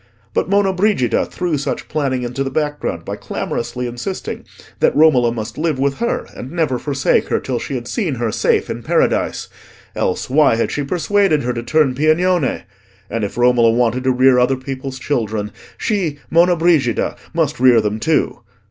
But Monna Brigida threw such planning into the background by clamorously insisting that Romola must live with her and never forsake her till she had seen her safe in Paradise—else why had she persuaded her to turn Piagnone?—and if Romola wanted to rear other people's children, she, Monna Brigida, must rear them too.